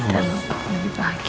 dan lebih bahagia